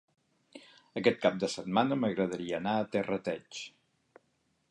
Aquest cap de setmana m'agradaria anar a Terrateig.